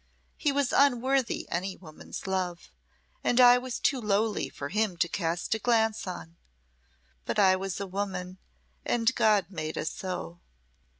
He was unworthy any woman's love and I was too lowly for him to cast a glance on; but I was a woman, and God made us so."